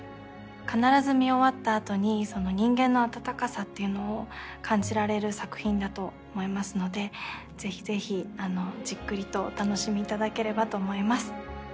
必ず見終わった後に人間の温かさっていうのを感じられる作品だと思いますのでぜひぜひじっくりとお楽しみいただければと思います。